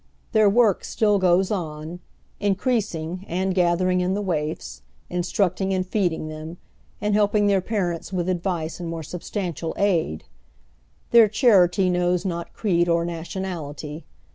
Their work still goes on, increasing and gathering in the waifs, instructing and feeding them, and helping tlieir parents with advice and more substan tial aid. Tlieir charity knows not creed or nationality.